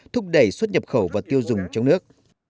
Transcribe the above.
thúc đẩy xuất nhập khẩu và tiêu dùng trong nước